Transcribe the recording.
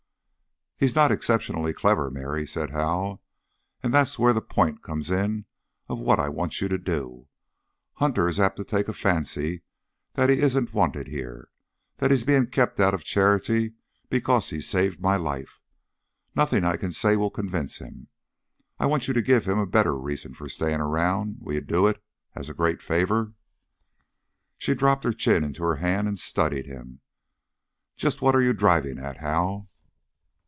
"He's not exceptionally clever, Mary," said Hal, "and that's where the point comes in of what I want you to do. Hunter is apt to take a fancy that he isn't wanted here that he's being kept out of charity because he saved my life. Nothing I can say will convince him. I want you to give him a better reason for staying around. Will you do it as a great favor?" She dropped her chin into her hand and studied him. "Just what are you driving at, Hal?"